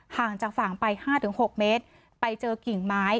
ห่างจากฝั่งไปห้าถึงหกเมตรไปเจอกิ่งไม้